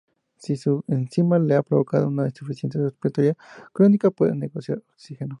Si su enfisema le ha provocado una insuficiencia respiratoria crónica puede necesitar oxígeno.